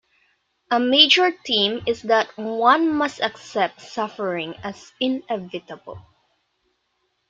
A major theme is that one must accept suffering as inevitable.